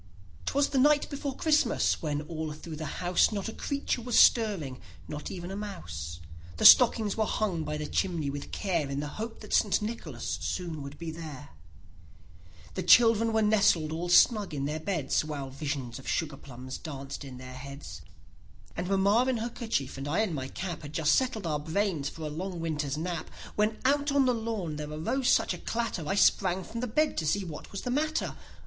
E. McC. was the night before Christmas, when all through the house Not a creature was stirring, not even a mouse; The stockings were hung by the chimney with care In hopes that St. Nicholas soon would be there; he children were nestled all snug in their beds, While visions of sugar plums danced in their heads; And mamma in her kerchief, and I in my cap, Had just settled our brains for a long winter's nap, hen out on the lawn there arose such a clatter, I sprang from the bed to see what was the matter.